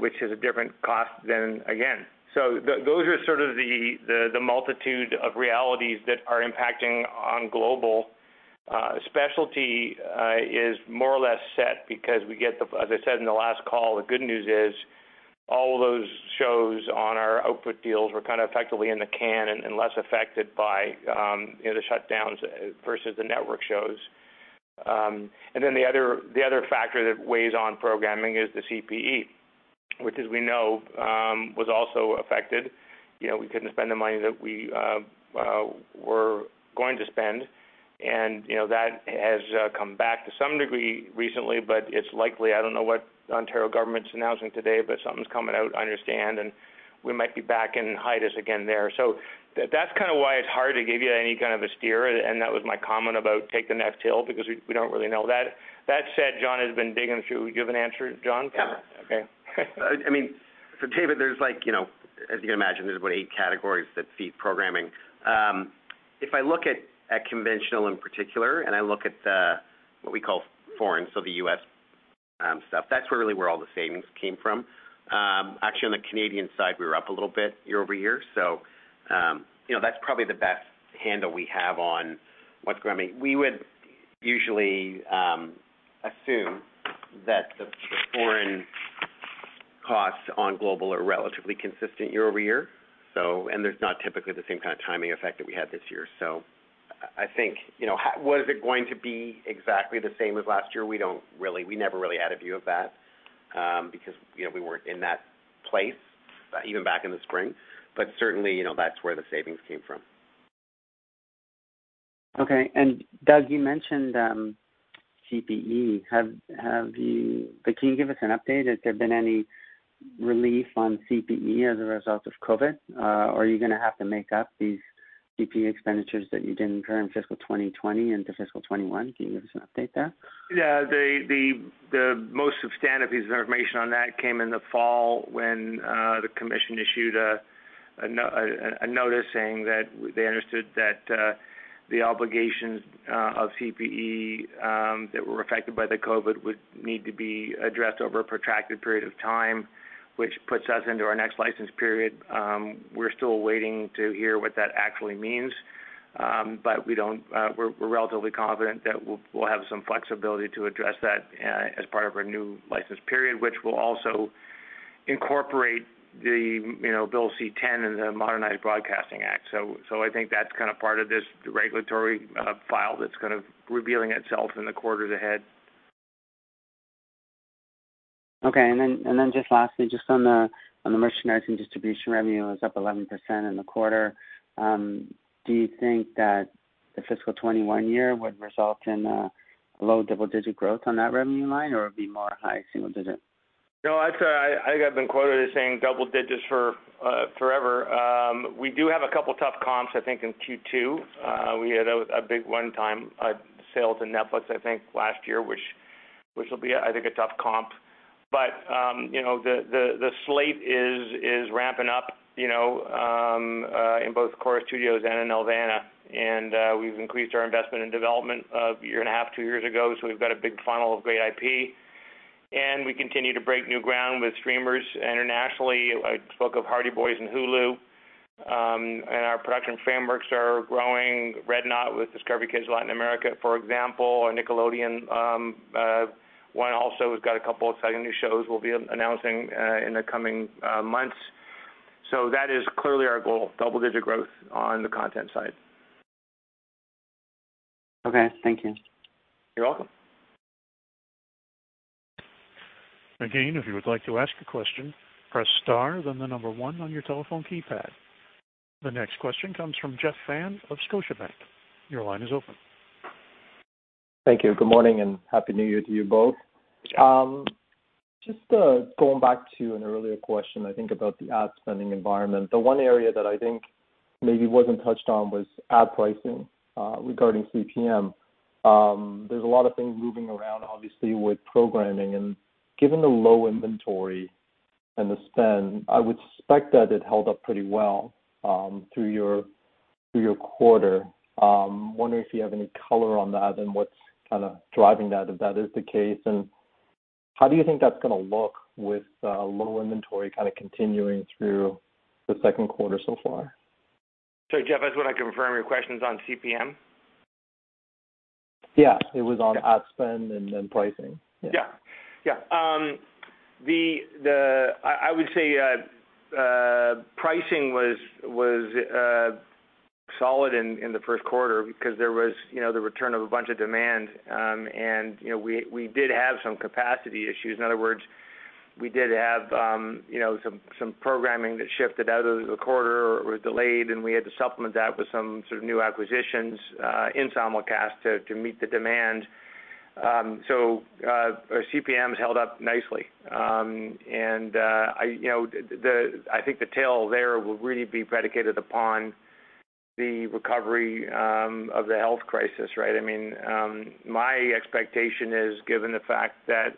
Speaker 2: which is a different cost than again. Those are sort of the multitude of realities that are impacting on Global. Specialty is more or less set because we get As I said in the last call, the good news is all those shows on our output deals were kind of effectively in the can and less affected by, you know, the shutdowns versus the network shows. The other, the other factor that weighs on programming is the CPE, which as we know, was also affected. You know, we couldn't spend the money that we were going to spend. You know, that has come back to some degree recently, but it's likely, I don't know what Ontario government's announcing today, but something's coming out, I understand, and we might be back in hiatus again there. That's kind of why it's hard to give you any kind of a steer, and that was my comment about take the next hill because we don't really know that. That said, John has been digging. Do you have an answer, John?
Speaker 3: Yeah. Okay. I mean, for David, there's like, you know, as you can imagine, there's about eight categories that feed programming. If I look at conventional in particular, and I look at what we call foreign, so the U.S. stuff, that's really where all the savings came from. Actually on the Canadian side, we were up a little bit year-over-year. You know, that's probably the best handle we have. We would usually assume that the foreign costs on Global are relatively consistent year-over-year. There's not typically the same kind of timing effect that we had this year. I think, you know, was it going to be exactly the same as last year? We never really had a view of that, because, you know, we weren't in that place even back in the spring. Certainly, you know, that's where the savings came from.
Speaker 8: Okay. Doug, you mentioned CPE. Can you give us an update? Has there been any relief on CPE as a result of COVID? Are you gonna have to make up these CPE expenditures that you didn't incur in fiscal 2020 into fiscal 2021? Can you give us an update there?
Speaker 2: Yeah. The most substantive piece of information on that came in the fall when the commission issued a notice saying that they understood that the obligations of CPE that were affected by the COVID would need to be addressed over a protracted period of time, which puts us into our next license period. We're still waiting to hear what that actually means. But we don't, we're relatively confident that we'll have some flexibility to address that as part of our new license period, which will also incorporate the, you know, Bill C-10 and the Modernized Broadcasting Act. I think that's kind of part of this regulatory file that's kind of revealing itself in the quarters ahead.
Speaker 8: Okay. Just lastly, just on the merchandise and distribution revenue was up 11% in the quarter, do you think that the fiscal 2021 year would result in low double digit growth on that revenue line or it would be more high single digit?
Speaker 2: No, I'd say I think I've been quoted as saying double digits for forever. We do have a couple of tough comps, I think, in Q2. We had a big one-time sale to Netflix, I think last year, which will be, I think, a tough comp. You know, the slate is ramping up, you know, in both Corus Studios and in Nelvana. We've increased our investment in development a year and a half, two years ago, so we've got a big funnel of great IP. We continue to break new ground with streamers internationally. I spoke of Hardy Boys and Hulu. Our production frameworks are growing. redknot with Discovery Kids Latin America, for example, our Nickelodeon, one also has got a couple of exciting new shows we'll be announcing in the coming months. That is clearly our goal, double digit growth on the content side.
Speaker 8: Okay. Thank you.
Speaker 2: You're welcome.
Speaker 1: Again, if you would like to ask a question, press star then number one on your telephone keypad. The next question comes from Jeff Fan of Scotiabank. Your line is open.
Speaker 9: Thank you. Good morning, and happy New Year to you both. Going back to an earlier question, I think, about the ad spending environment. The one area that I think maybe wasn't touched on was ad pricing regarding CPM. There's a lot of things moving around, obviously, with programming. Given the low inventory and the spend, I would suspect that it held up pretty well through your, through your quarter. Wondering if you have any color on that and what's kinda driving that, if that is the case. How do you think that's gonna look with low inventory kinda continuing through the second quarter so far?
Speaker 2: Sorry, Jeff, I just wanna confirm, your question's on CPM?
Speaker 9: Yeah. It was on ad spend and then pricing.
Speaker 2: Yeah. Yeah. I would say pricing was solid in the first quarter because there was the return of a bunch of demand. We did have some capacity issues. In other words, we did have some programming that shifted out of the quarter or was delayed, and we had to supplement that with some sort of new acquisitions in simulcast to meet the demand. Our CPMs held up nicely. I think the tale there will really be predicated upon the recovery of the health crisis, right? I mean, my expectation is, given the fact that,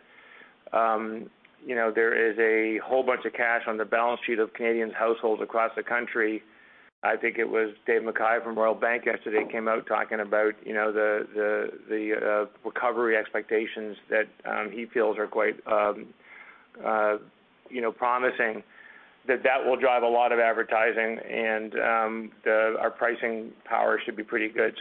Speaker 2: you know, there is a whole bunch of cash on the balance sheet of Canadians' households across the country, I think it was Dave McKay from Royal Bank yesterday came out talking about, you know, the recovery expectations that he feels are quite, you know, promising, that will drive a lot of advertising, and our pricing power should be pretty good.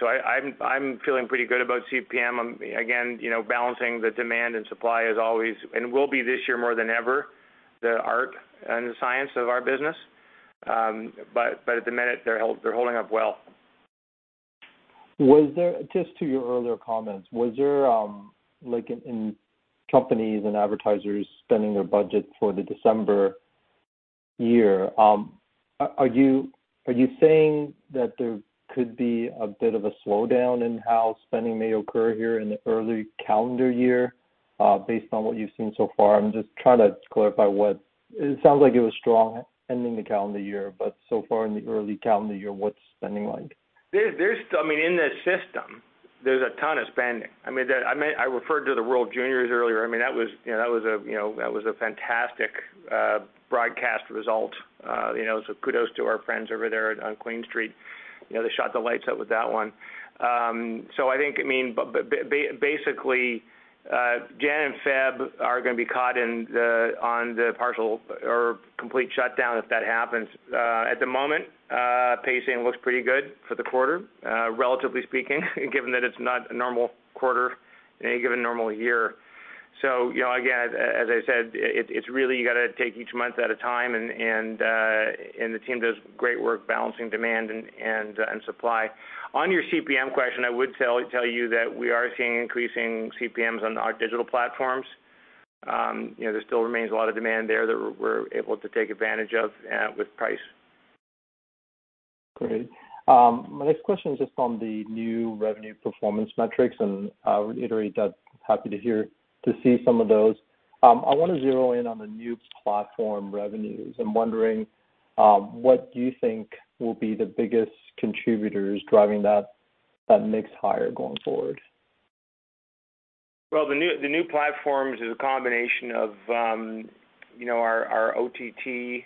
Speaker 2: I'm feeling pretty good about CPM. Again, you know, balancing the demand and supply is always, and will be this year more than ever, the art and the science of our business. At the minute, they're holding up well.
Speaker 9: Just to your earlier comments, was there, like in companies and advertisers spending their budget for the December year, are you saying that there could be a bit of a slowdown in how spending may occur here in the early calendar year, based on what you've seen so far? I'm just trying to clarify what. It sounds like it was strong ending the calendar year. So far in the early calendar year, what's spending like?
Speaker 2: There's I mean, in the system, there's a ton of spending. I mean, the I mean, I referred to the World Juniors earlier. I mean, that was, you know, that was a, you know, that was a fantastic broadcast result. You know, kudos to our friends over there at, on Queen Street. You know, they shot the lights out with that one. I think, I mean, basically, January and February are gonna be caught in the, on the partial or complete shutdown if that happens. At the moment, pacing looks pretty good for the quarter, relatively speaking, given that it's not a normal quarter in any given normal year. You know, again, as I said, it's really you gotta take each month at a time and the team does great work balancing demand and supply. On your CPM question, I would tell you that we are seeing increasing CPMs on our digital platforms. You know, there still remains a lot of demand there that we're able to take advantage of with price.
Speaker 9: Great. My next question's just on the new revenue performance metrics. I would reiterate that happy to hear, to see some of those. I wanna zero in on the new platform revenues. I'm wondering what do you think will be the biggest contributors driving that mix higher going forward?
Speaker 2: Well, the new platforms is a combination of, you know, our OTT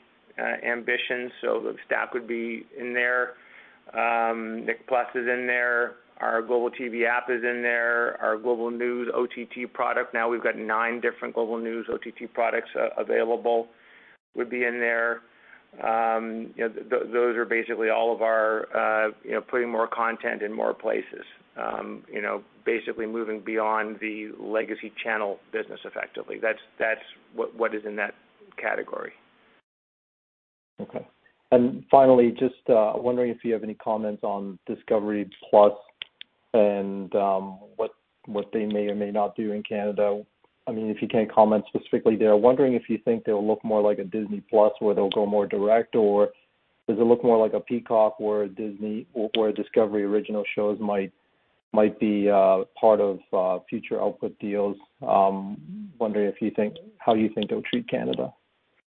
Speaker 2: ambitions, the STACKTV would be in there. Nick+ is in there. Our Global TV app is in there. Our Global News OTT product, now we've got nine different Global News OTT products available, would be in there. You know, those are basically all of our, you know, putting more content in more places, you know, basically moving beyond the legacy channel business effectively. That's what is in that category.
Speaker 9: Okay. Finally, just wondering if you have any comments on Discovery+ and what they may or may not do in Canada. I mean, if you can't comment specifically there, wondering if you think they'll look more like a Disney+ where they'll go more direct, or does it look more like a Peacock where Disney or Discovery original shows might be part of future output deals? Wondering if you think how you think they'll treat Canada.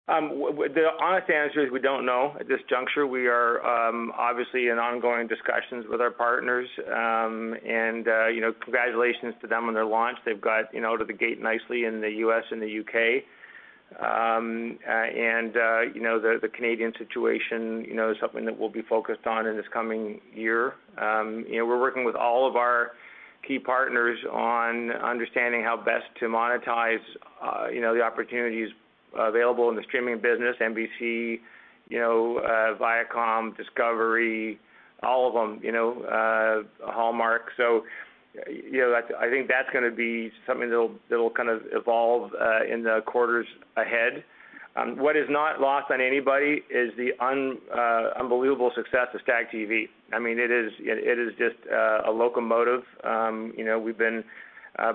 Speaker 2: The honest answer is we don't know at this juncture. We are obviously in ongoing discussions with our partners. You know, congratulations to them on their launch. They've got, you know, out of the gate nicely in the U.S. and the U.K. You know, the Canadian situation, you know, is something that we'll be focused on in this coming year. You know, we're working with all of our key partners on understanding how best to monetize, you know, the opportunities available in the streaming business, NBC, you know, Viacom, Discovery, all of them, you know, Hallmark. You know, that's, I think that's gonna be something that'll kind of evolve in the quarters ahead. What is not lost on anybody is the unbelievable success of STACKTV. I mean, it is just a locomotive. You know, we've been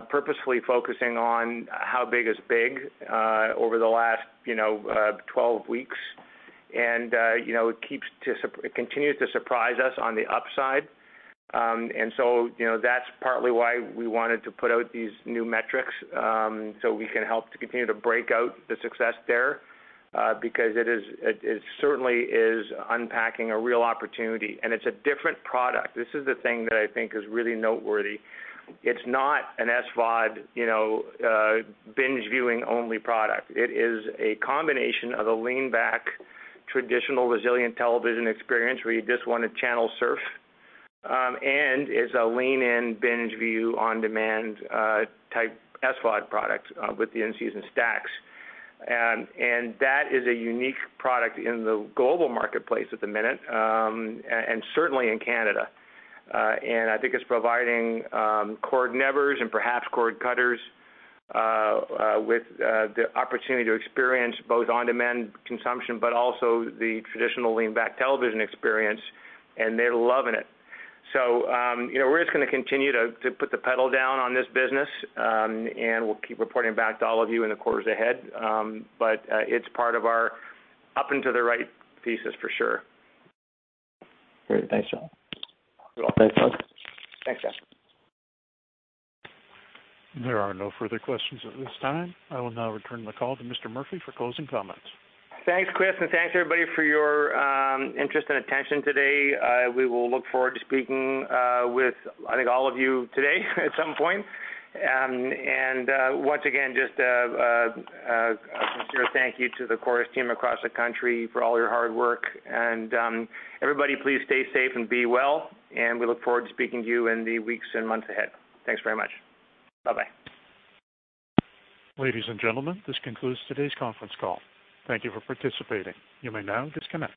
Speaker 2: purposefully focusing on how big is big over the last, you know, 12 weeks. It continues to surprise us on the upside. You know, that's partly why we wanted to put out these new metrics, so we can help to continue to break out the success there, because it certainly is unpacking a real opportunity, and it's a different product. This is the thing that I think is really noteworthy. It's not an SVOD, you know, binge viewing only product. It is a combination of a lean back traditional resilient television experience where you just wanna channel surf, and it's a lean in binge view on-demand type SVOD product with the in-seasons STACKTV. That is a unique product in the global marketplace at the minute, and certainly in Canada. I think it's providing cord nevers and perhaps cord cutters with the opportunity to experience both on-demand consumption, but also the traditional lean back television experience, and they're loving it. You know, we're just gonna continue to put the pedal down on this business, and we'll keep reporting back to all of you in the quarters ahead. It's part of our up into the right thesis for sure.
Speaker 9: Great. Thanks, John.
Speaker 2: You're welcome.
Speaker 9: [inaudible]
Speaker 2: Thanks, Jeff.
Speaker 1: There are no further questions at this time. I will now return the call to Mr. Murphy for closing comments.
Speaker 2: Thanks, Chris, and thanks everybody for your interest and attention today. We will look forward to speaking with I think all of you today at some point. Once again, just a sincere thank you to the Corus team across the country for all your hard work. Everybody, please stay safe and be well, and we look forward to speaking to you in the weeks and months ahead. Thanks very much. Bye-bye.
Speaker 1: Ladies and gentlemen, this concludes today's conference call. Thank you for participating. You may now disconnect.